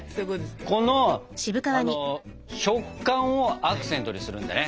この食感をアクセントにするんだね？